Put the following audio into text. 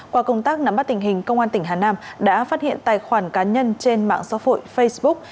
qua công tác nắm bắt tình hình công an tỉnh hà nam đã phát hiện tài khoản cá nhân trên mạng xã hội facebook